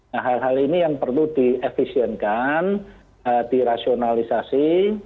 nah hal hal ini yang perlu diefisienkan dirasionalisasi